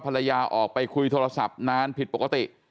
ภรรยาออกไปคุยโทรศัพท์นานผิดปกติ